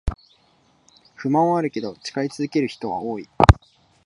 不満はあるけど使い続ける人は多い